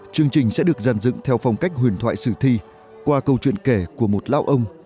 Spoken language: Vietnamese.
chương trình sẽ được giàn dựng theo phong cách huyền thoại sử thi qua câu chuyện kể của một lao ông